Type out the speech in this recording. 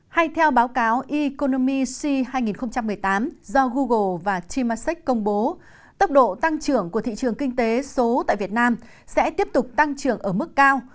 hay theo báo cáo economi c hai nghìn một mươi tám do google và tmasek công bố tốc độ tăng trưởng của thị trường kinh tế số tại việt nam sẽ tiếp tục tăng trưởng ở mức cao